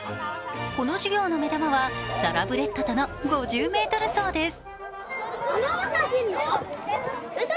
この授業の目玉はサラブレッドとの５０ｍ走です。